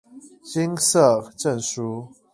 金色證書